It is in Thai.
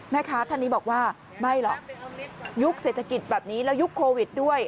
ท่านนี้บอกว่าไม่หรอกยุคเศรษฐกิจแบบนี้แล้วยุคโควิดด้วย